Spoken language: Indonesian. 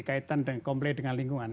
kaitan dengan komplain dengan lingkungan